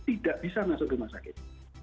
tidak bisa masuk rumah sakit